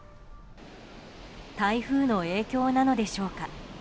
台風の影響なのでしょうか。